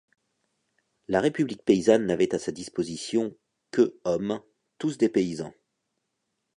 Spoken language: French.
La république paysanne n'avait à sa disposition que hommes, tous des paysans.